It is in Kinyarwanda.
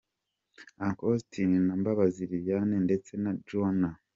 Uncle Austin na Mbabazi Liliane ndetse na Joanah.